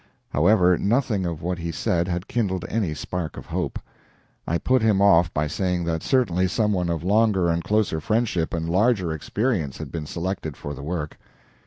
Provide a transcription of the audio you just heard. However, nothing of what he said had kindled any spark of hope. I put him off by saying that certainly some one of longer and closer friendship and larger experience had been selected for the work.